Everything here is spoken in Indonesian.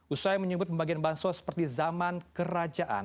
usai menyebut pembagian bansos seperti zaman kerajaan